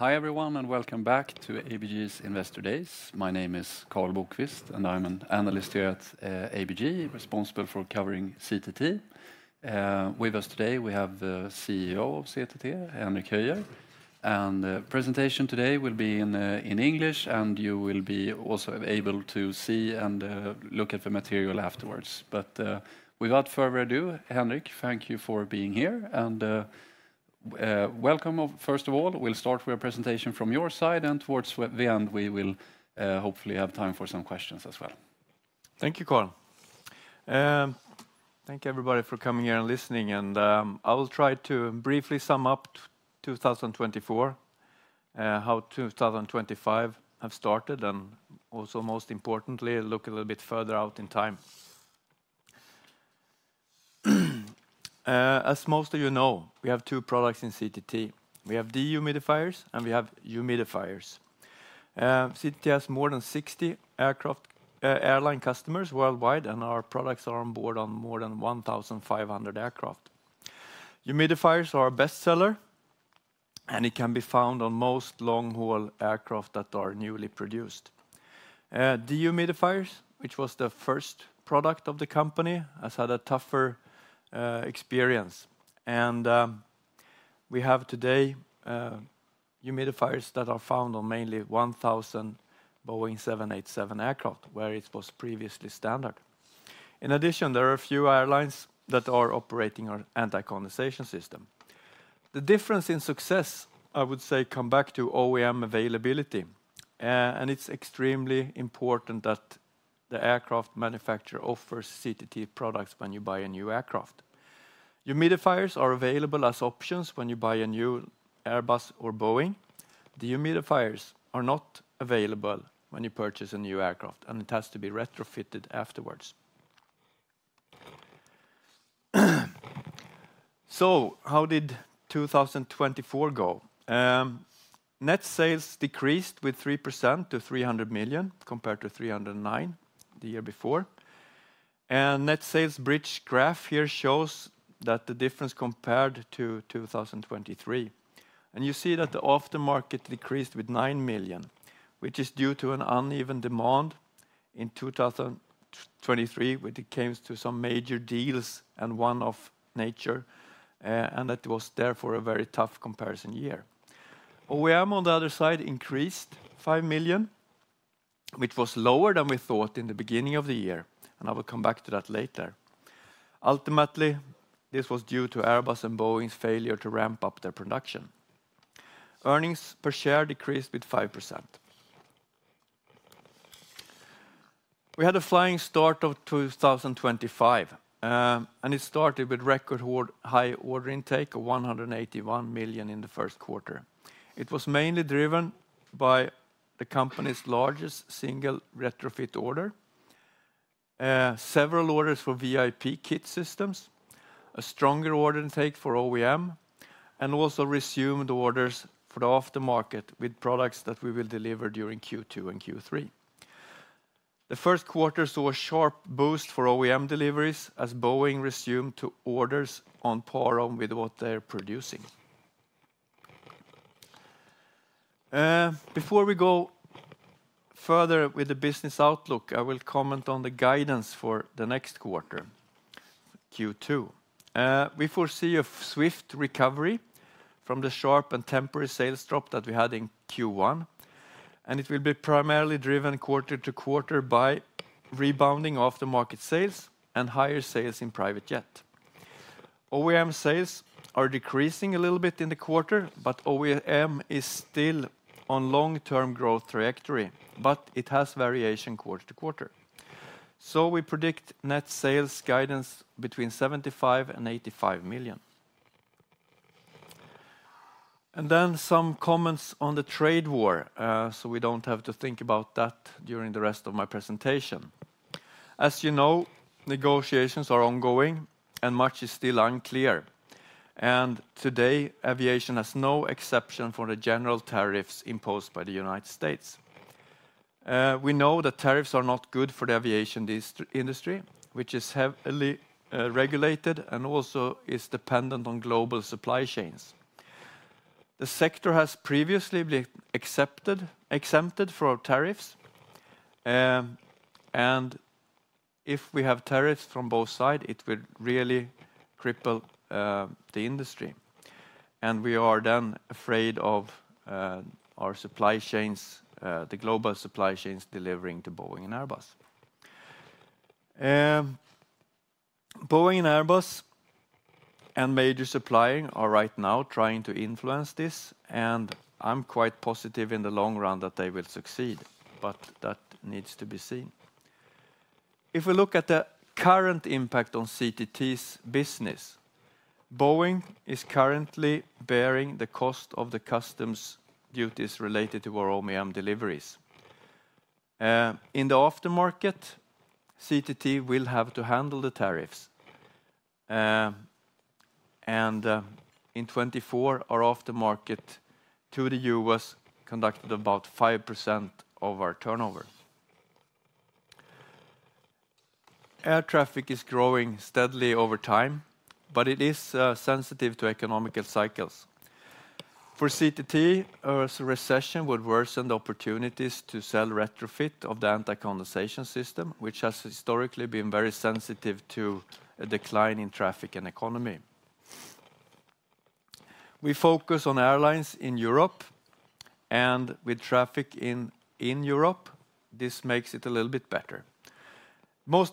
Hi everyone and welcome back to ABG's Investor Days. My name is Karl Bokvist and I'm an analyst here at ABG, responsible for covering CTT. With us today, we have the CEO of CTT, Henrik Höjer. The presentation today will be in English and you will be also able to see and look at the material afterwards. Without further ado, Henrik, thank you for being here and welcome first of all. We'll start with a presentation from your side and towards the end we will hopefully have time for some questions as well. Thank you, Karl. Thank you everybody for coming here and listening. I will try to briefly sum up 2024, how 2025 has started, and also most importantly, look a little bit further out in time. As most of you know, we have two products in CTT. We have dehumidifiers and we have humidifiers. CTT has more than 60 airline customers worldwide and our products are on board on more than 1,500 aircraft. Humidifiers are our best seller and it can be found on most long-haul aircraft that are newly produced. Dehumidifiers, which was the first product of the company, has had a tougher experience. We have today humidifiers that are found on mainly 1,000 Boeing 787 aircraft, where it was previously standard. In addition, there are a few airlines that are operating our anti-condensation system. The difference in success, I would say, comes back to OEM availability. It is extremely important that the aircraft manufacturer offers CTT products when you buy a new aircraft. Humidifiers are available as options when you buy a new Airbus or Boeing. The humidifiers are not available when you purchase a new aircraft and it has to be retrofitted afterwards. How did 2024 go? Net sales decreased by 3% to 300 million compared to 309 million the year before. The net sales bridge graph here shows the difference compared to 2023. You see that the aftermarket decreased by 9 million, which is due to an uneven demand in 2023 when it came to some major deals and one-off in nature. That was therefore a very tough comparison year. OEM on the other side increased 5 million, which was lower than we thought in the beginning of the year. I will come back to that later. Ultimately, this was due to Airbus and Boeing's failure to ramp up their production. Earnings per share decreased by 5%. We had a flying start of 2025 and it started with record high order intake of 181 million in the first quarter. It was mainly driven by the company's largest single retrofit order, several orders for VIP kit systems, a stronger order intake for OEM, and also resumed orders for the aftermarket with products that we will deliver during Q2 and Q3. The first quarter saw a sharp boost for OEM deliveries as Boeing resumed to orders on par with what they're producing. Before we go further with the business outlook, I will comment on the guidance for the next quarter, Q2. We foresee a swift recovery from the sharp and temporary sales drop that we had in Q1. It will be primarily driven quarter to quarter by rebounding aftermarket sales and higher sales in private jet. OEM sales are decreasing a little bit in the quarter, but OEM is still on long-term growth trajectory, but it has variation quarter to quarter. We predict net sales guidance between 75 million and 85 million. Some comments on the trade war, we do not have to think about that during the rest of my presentation. As you know, negotiations are ongoing and much is still unclear. Today, aviation has no exception for the general tariffs imposed by the United States. We know that tariffs are not good for the aviation industry, which is heavily regulated and also is dependent on global supply chains. The sector has previously been exempted from tariffs. If we have tariffs from both sides, it will really cripple the industry. We are then afraid of our supply chains, the global supply chains delivering to Boeing and Airbus. Boeing and Airbus and major suppliers are right now trying to influence this. I'm quite positive in the long run that they will succeed, but that needs to be seen. If we look at the current impact on CTT's business, Boeing is currently bearing the cost of the customs duties related to our OEM deliveries. In the aftermarket, CTT will have to handle the tariffs. In 2024, our aftermarket to the U.S. conducted about 5% of our turnover. Air traffic is growing steadily over time, but it is sensitive to economical cycles. For CTT, a recession would worsen the opportunities to sell retrofit of the anti-condensation system, which has historically been very sensitive to a decline in traffic and economy. We focus on airlines in Europe, and with traffic in Europe, this makes it a little bit better. Much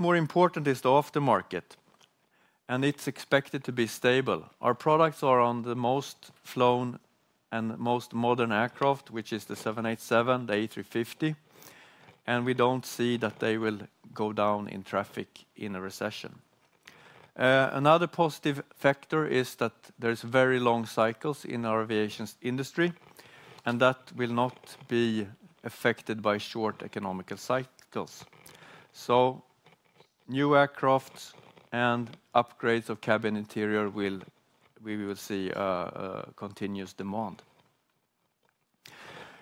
more important is the aftermarket, and it's expected to be stable. Our products are on the most flown and most modern aircraft, which is the 787, the A350. We don't see that they will go down in traffic in a recession. Another positive factor is that there are very long cycles in our aviation industry, and that will not be affected by short economical cycles. New aircraft and upgrades of cabin interior, we will see continuous demand.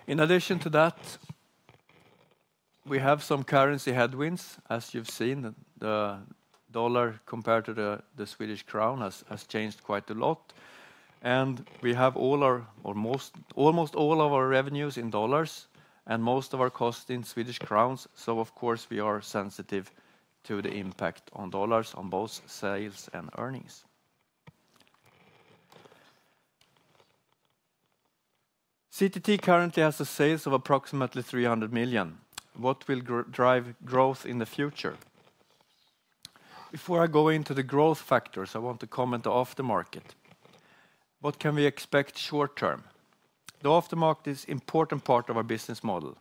In addition to that, we have some currency headwinds, as you've seen. The dollar, compared to the Swedish krona, has changed quite a lot. We have almost all of our revenues in dollars, and most of our costs in Swedish krona. Of course, we are sensitive to the impact on dollars on both sales and earnings. CTT currently has sales of approximately 300 million. What will drive growth in the future? Before I go into the growth factors, I want to comment on the aftermarket. What can we expect short term? The aftermarket is an important part of our business model.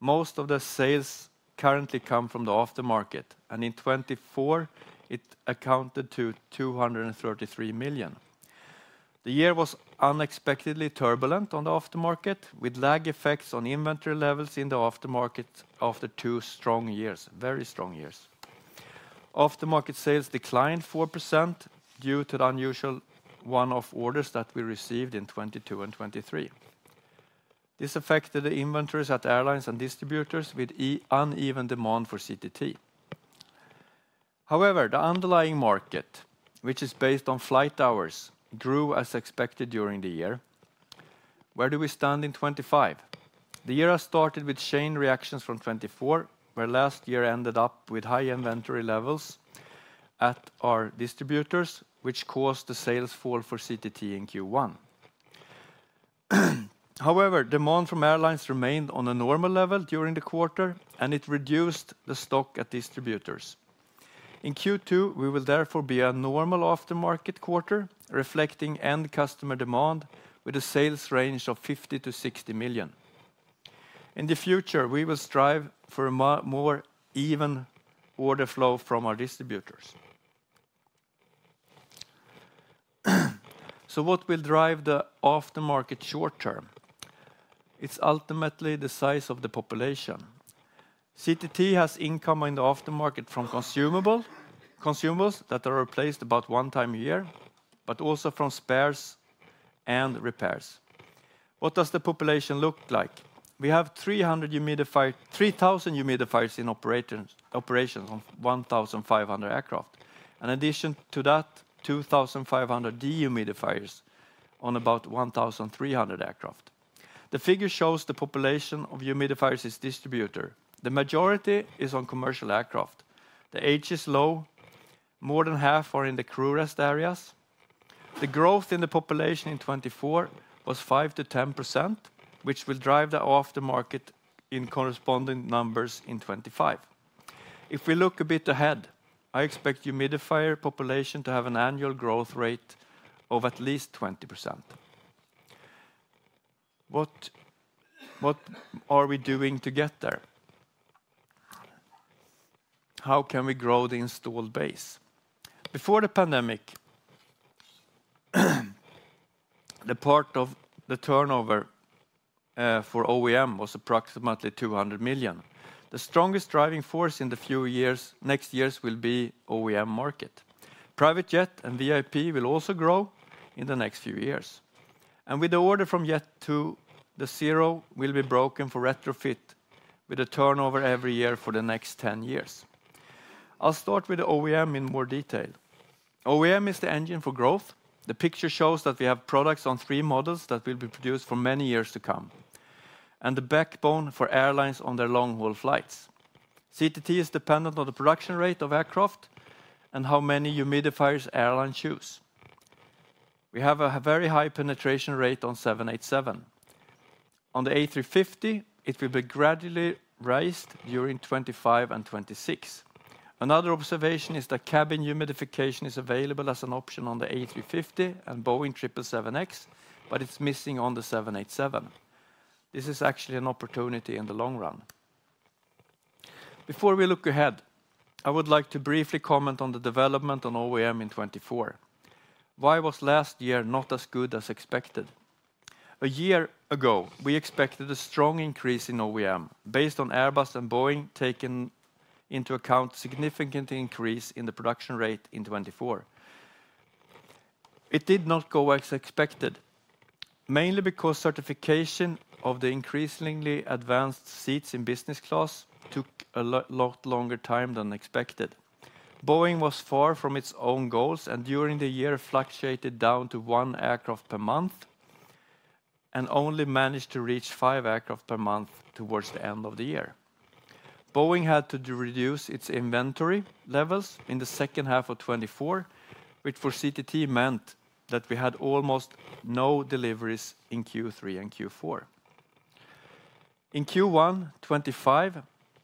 Most of the sales currently come from the aftermarket, and in 2024, it accounted for 233 million. The year was unexpectedly turbulent on the aftermarket, with lag effects on inventory levels in the aftermarket after two strong years, very strong years. Aftermarket sales declined 4% due to the unusual runoff orders that we received in 2022 and 2023. This affected the inventories at airlines and distributors with uneven demand for CTT. However, the underlying market, which is based on flight hours, grew as expected during the year. Where do we stand in 2025? The year has started with chain reactions from 2024, where last year ended up with high inventory levels at our distributors, which caused the sales fall for CTT in Q1. However, demand from airlines remained on a normal level during the quarter, and it reduced the stock at distributors. In Q2, we will therefore be a normal aftermarket quarter, reflecting end customer demand with a sales range of 50 million-60 million. In the future, we will strive for a more even order flow from our distributors. What will drive the aftermarket short term? It is ultimately the size of the population. CTT has income in the aftermarket from consumables that are replaced about one time a year, but also from spares and repairs. What does the population look like? We have 3,000 humidifiers in operation on 1,500 aircraft. In addition to that, 2,500 dehumidifiers on about 1,300 aircraft. The figure shows the population of humidifiers is distributed. The majority is on commercial aircraft. The age is low. More than half are in the crew rest areas. The growth in the population in 2024 was 5%-10%, which will drive the aftermarket in corresponding numbers in 2025. If we look a bit ahead, I expect the humidifier population to have an annual growth rate of at least 20%. What are we doing to get there? How can we grow the installed base? Before the pandemic, the part of the turnover for OEM was approximately 200 million. The strongest driving force in the few next years will be the OEM market. Private jet and VIP will also grow in the next few years. With the order from Jet2, the zero will be broken for retrofit with a turnover every year for the next 10 years. I'll start with OEM in more detail. OEM is the engine for growth. The picture shows that we have products on three models that will be produced for many years to come, and the backbone for airlines on their long-haul flights. CTT is dependent on the production rate of aircraft and how many humidifiers airlines choose. We have a very high penetration rate on 787. On the A350, it will be gradually raised during 2025 and 2026. Another observation is that cabin humidification is available as an option on the A350 and Boeing 777X, but it's missing on the 787. This is actually an opportunity in the long run. Before we look ahead, I would like to briefly comment on the development on OEM in 2024. Why was last year not as good as expected? A year ago, we expected a strong increase in OEM based on Airbus and Boeing taking into account a significant increase in the production rate in 2024. It did not go as expected, mainly because certification of the increasingly advanced seats in business class took a lot longer time than expected. Boeing was far from its own goals, and during the year, it fluctuated down to one aircraft per month and only managed to reach five aircraft per month towards the end of the year. Boeing had to reduce its inventory levels in the second half of 2024, which for CTT meant that we had almost no deliveries in Q3 and Q4. In Q1 2025,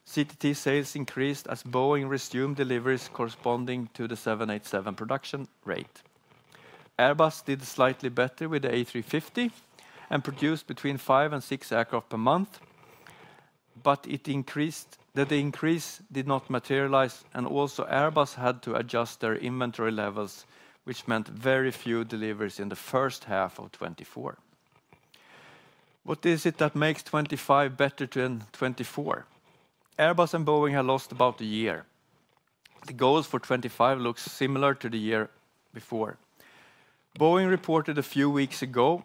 CTT sales increased as Boeing resumed deliveries corresponding to the 787 production rate. Airbus did slightly better with the A350 and produced between five and six aircraft per month, but the increase did not materialize, and also Airbus had to adjust their inventory levels, which meant very few deliveries in the first half of 2024. What is it that makes 2025 better than 2024? Airbus and Boeing have lost about a year. The goals for 2025 look similar to the year before. Boeing reported a few weeks ago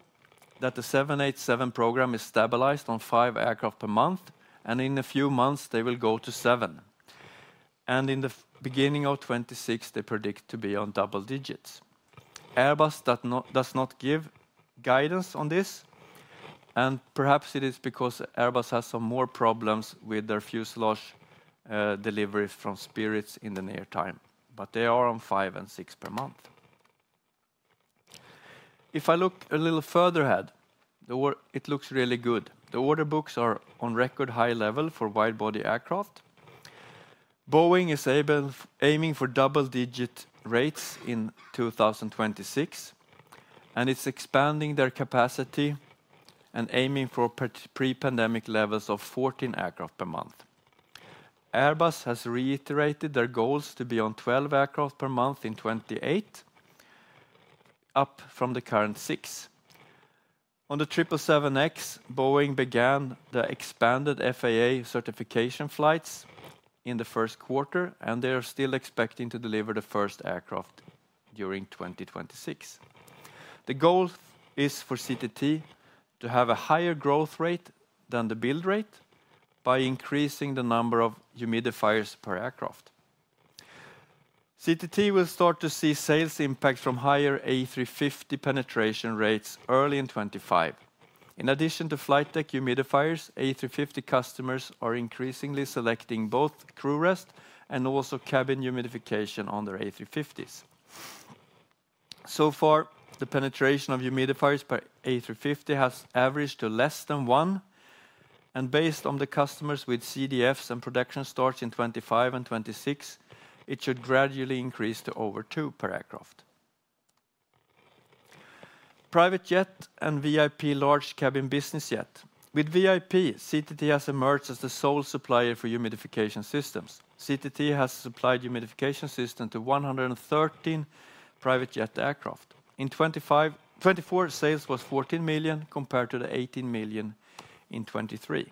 that the 787 program is stabilized on five aircraft per month, and in a few months, they will go to seven. In the beginning of 2026, they predict to be on double digits. Airbus does not give guidance on this, and perhaps it is because Airbus has some more problems with their fuselage deliveries from Spirit AeroSystems in the near time, but they are on five and six per month. If I look a little further ahead, it looks really good. The order books are on record high level for wide-body aircraft. Boeing is aiming for double-digit rates in 2026, and it's expanding their capacity and aiming for pre-pandemic levels of 14 aircraft per month. Airbus has reiterated their goals to be on 12 aircraft per month in 2028, up from the current six. On the 777X, Boeing began the expanded FAA certification flights in the first quarter, and they are still expecting to deliver the first aircraft during 2026. The goal is for CTT to have a higher growth rate than the build rate by increasing the number of humidifiers per aircraft. CTT will start to see sales impact from higher A350 penetration rates early in 2025. In addition to flight deck humidifiers, A350 customers are increasingly selecting both crew rest and also cabin humidification on their A350s. So far, the penetration of humidifiers per A350 has averaged to less than one, and based on the customers with CDFs and production starts in 2025 and 2026, it should gradually increase to over two per aircraft. Private jet and VIP large cabin business jet. With VIP, CTT has emerged as the sole supplier for humidification systems. CTT has supplied humidification systems to 113 private jet aircraft. In 2024, sales was 14 million compared to the 18 million in 2023.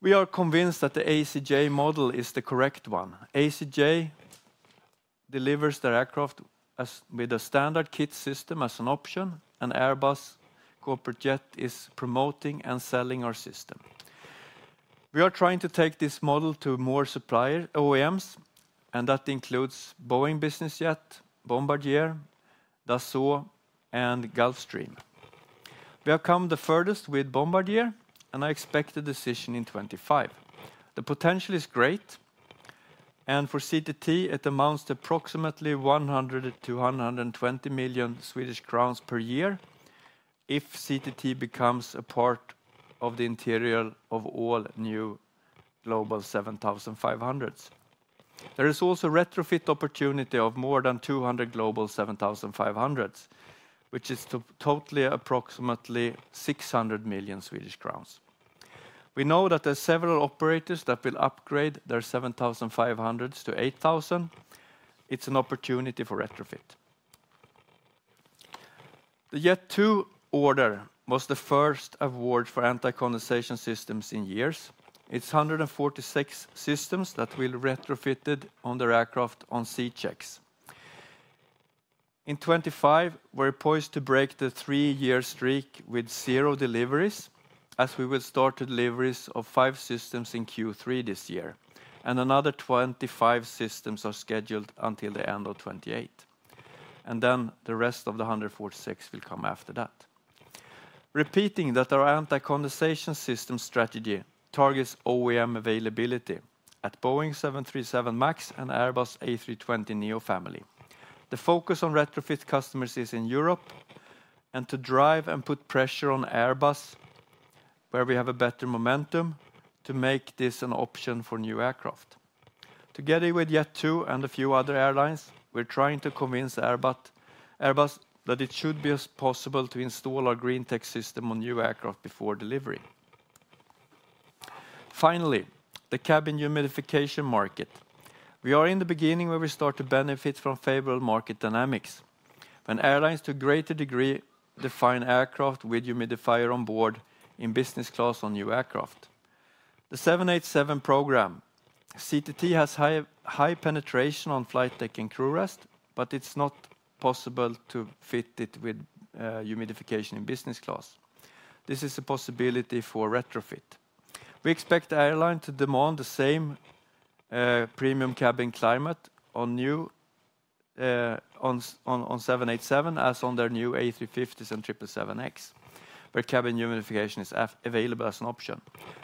We are convinced that the ACJ model is the correct one. ACJ delivers their aircraft with a standard kit system as an option, and Airbus Corporate Jets is promoting and selling our system. We are trying to take this model to more supplier OEMs, and that includes Boeing business jet, Bombardier, Dassault, and Gulfstream. We have come the furthest with Bombardier, and I expect a decision in 2025. The potential is great, and for CTT, it amounts to approximately 100 million-120 million Swedish crowns per year if CTT becomes a part of the interior of all new Global 7500s. There is also a retrofit opportunity of more than 200 Global 7500s, which is totally approximately 600 million Swedish crowns. We know that there are several operators that will upgrade their 7500s to 8000. It's an opportunity for retrofit. The Jet2.com order was the first award for anti-condensation systems in years. It's 146 systems that will be retrofitted on their aircraft on C-checks. In 2025, we're poised to break the three-year streak with zero deliveries, as we will start deliveries of five systems in Q3 this year, and another 25 systems are scheduled until the end of 2028. The rest of the 146 will come after that. Repeating that our anti-condensation system strategy targets OEM availability at Boeing 737 MAX and Airbus A320neo family. The focus on retrofit customers is in Europe and to drive and put pressure on Airbus, where we have a better momentum to make this an option for new aircraft. Together with Jet2 and a few other airlines, we're trying to convince Airbus that it should be possible to install our green tech system on new aircraft before delivery. Finally, the cabin humidification market. We are in the beginning where we start to benefit from favorable market dynamics, when airlines to a greater degree define aircraft with humidifier on board in business class on new aircraft. The 787 program, CTT has high penetration on flight deck and crew rest, but it's not possible to fit it with humidification in business class. This is a possibility for retrofit. We expect the airline to demand the same premium cabin climate on 787 as on their new A350s and 777X, where cabin humidification is available as an option.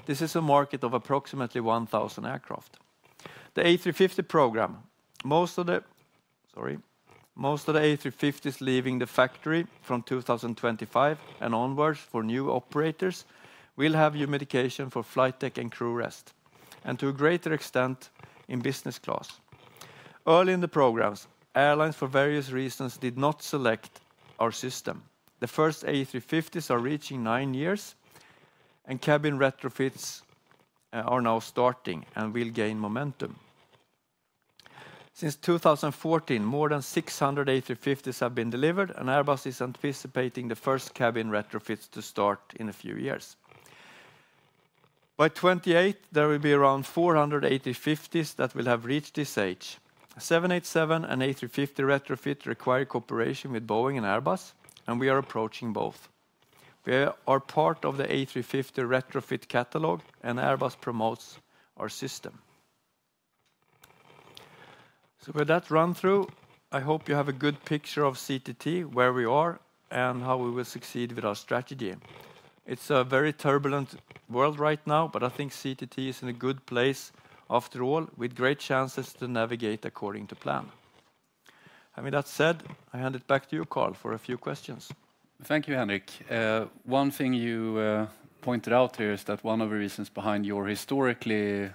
This is a market of approximately 1,000 aircraft. The A350 program, most of the, sorry, most of the A350s leaving the factory from 2025 and onwards for new operators will have humidification for flight deck and crew rest, and to a greater extent in business class. Early in the programs, airlines for various reasons did not select our system. The first A350s are reaching nine years, and cabin retrofits are now starting and will gain momentum. Since 2014, more than 600 A350s have been delivered, and Airbus is anticipating the first cabin retrofits to start in a few years. By 2028, there will be around 480 A350s that will have reached this age. 787 and A350 retrofit require cooperation with Boeing and Airbus, and we are approaching both. We are part of the A350 retrofit catalog, and Airbus promotes our system. With that run-through, I hope you have a good picture of CTT, where we are, and how we will succeed with our strategy. It's a very turbulent world right now, but I think CTT is in a good place after all, with great chances to navigate according to plan. I mean, that said, I hand it back to you, Karl, for a few questions. Thank you, Henrik. One thing you pointed out there is that one of the reasons behind your historically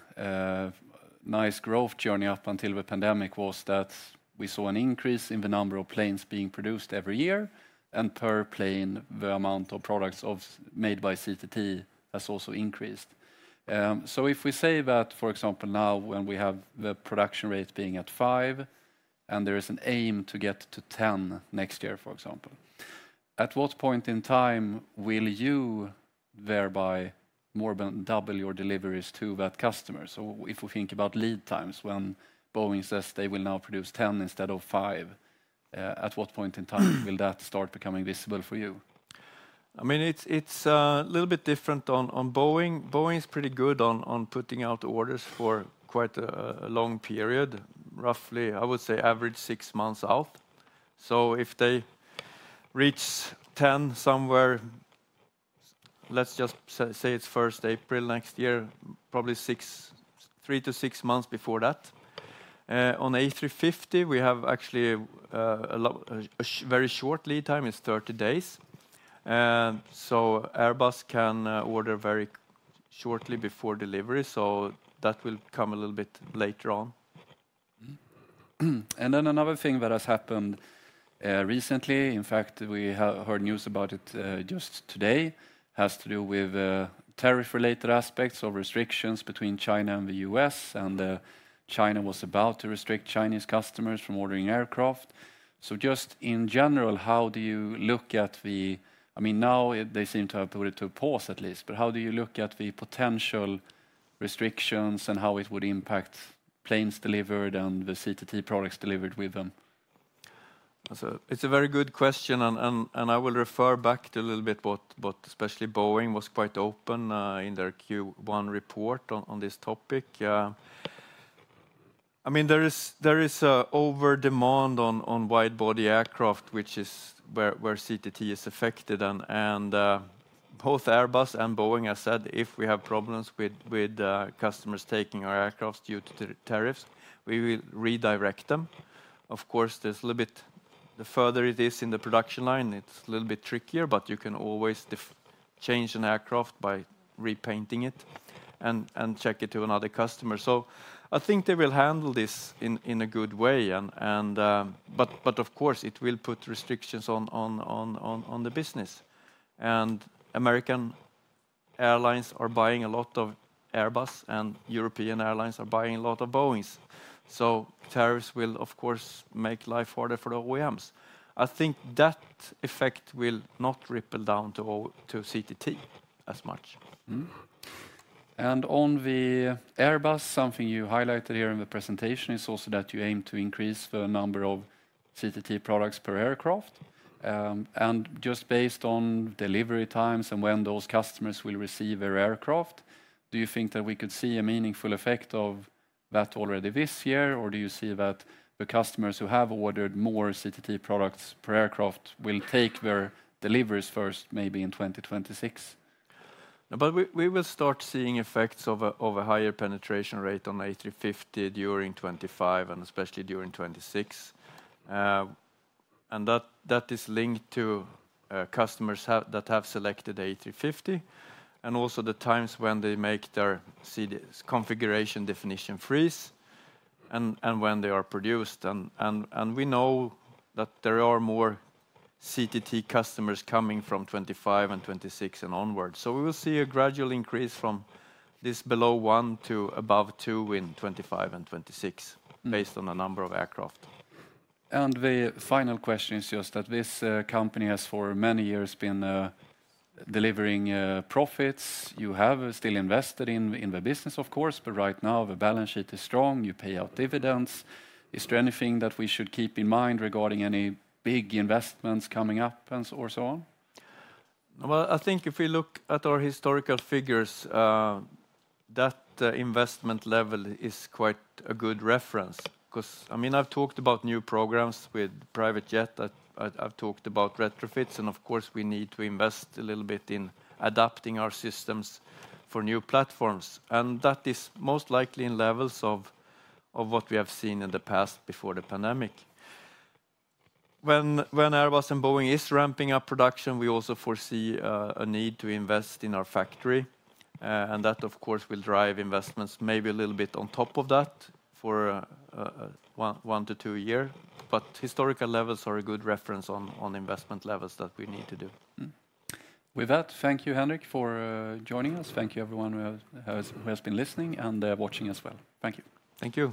nice growth journey up until the pandemic was that we saw an increase in the number of planes being produced every year, and per plane, the amount of products made by CTT has also increased. If we say that, for example, now when we have the production rates being at five, and there is an aim to get to 10 next year, for example, at what point in time will you thereby more than double your deliveries to that customer? If we think about lead times, when Boeing says they will now produce 10 instead of five, at what point in time will that start becoming visible for you? I mean, it's a little bit different on Boeing. Boeing is pretty good on putting out orders for quite a long period, roughly, I would say, average six months out. If they reach 10 somewhere, let's just say it's first April next year, probably three to six months before that. On A350, we have actually a very short lead time, it's 30 days. Airbus can order very shortly before delivery, so that will come a little bit later on. Another thing that has happened recently, in fact, we heard news about it just today, has to do with tariff-related aspects of restrictions between China and the U.S., and China was about to restrict Chinese customers from ordering aircraft. In general, how do you look at the, I mean, now they seem to have put it to a pause at least, but how do you look at the potential restrictions and how it would impact planes delivered and the CTT products delivered with them? It's a very good question, and I will refer back to a little bit what especially Boeing was quite open in their Q1 report on this topic. I mean, there is an over-demand on wide-body aircraft, which is where CTT is affected, and both Airbus and Boeing have said if we have problems with customers taking our aircraft due to tariffs, we will redirect them. Of course, there is a little bit, the further it is in the production line, it is a little bit trickier, but you can always change an aircraft by repainting it and check it to another customer. I think they will handle this in a good way, but of course, it will put restrictions on the business. American airlines are buying a lot of Airbus, and European airlines are buying a lot of Boeings. Tariffs will, of course, make life harder for the OEMs. I think that effect will not ripple down to CTT as much. On the Airbus, something you highlighted here in the presentation is also that you aim to increase the number of CTT products per aircraft. Just based on delivery times and when those customers will receive their aircraft, do you think that we could see a meaningful effect of that already this year, or do you see that the customers who have ordered more CTT products per aircraft will take their deliveries first maybe in 2026? We will start seeing effects of a higher penetration rate on A350 during 2025 and especially during 2026. That is linked to customers that have selected A350 and also the times when they make their configuration definition freeze and when they are produced. We know that there are more CTT customers coming from 2025 and 2026 and onward. We will see a gradual increase from this below one to above two in 2025 and 2026 based on the number of aircraft. The final question is just that this company has for many years been delivering profits. You have still invested in the business, of course, but right now the balance sheet is strong. You pay out dividends. Is there anything that we should keep in mind regarding any big investments coming up and so on? I think if we look at our historical figures, that investment level is quite a good reference because, I mean, I've talked about new programs with private jets. I've talked about retrofits, and of course, we need to invest a little bit in adapting our systems for new platforms. That is most likely in levels of what we have seen in the past before the pandemic. When Airbus and Boeing are ramping up production, we also foresee a need to invest in our factory, and that, of course, will drive investments maybe a little bit on top of that for one to two years. Historical levels are a good reference on investment levels that we need to do. With that, thank you, Henrik, for joining us. Thank you, everyone who has been listening and watching as well. Thank you. Thank you.